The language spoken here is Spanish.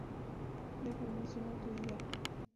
De formación autodidacta.